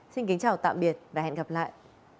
xin kính chào tạm biệt và hẹn gặp lại